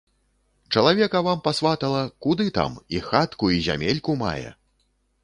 Чалавека вам пасватала, куды там, і хатку і зямельку мае.